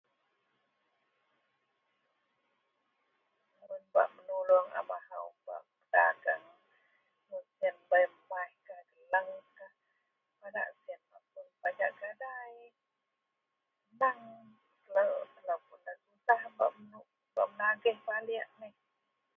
mun bak menulung amahou bak berdagang, mun sien bei maihkah, gelengkah madak sien mapun pajak gadai, senang telou-telou pun da susah bak menagih baliek neh